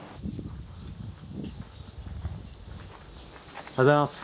おはようございます。